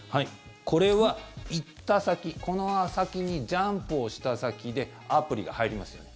これは行った先この先にジャンプをした先でアプリが入りますよね。